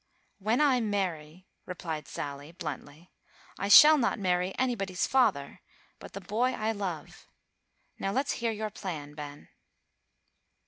"When I marry," replied Sally, bluntly, "I shall not marry anybody's father, but the boy I love. Now, let's hear your plan, Ben."